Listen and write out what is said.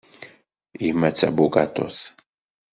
Yemma d tabugaṭut.